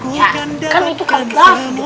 ya kan itu kan lagu